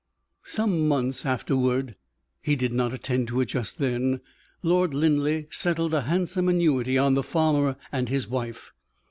Some months afterward he did not attend to it just then Lord Linleigh settled a handsome annuity on the farmer and his wife.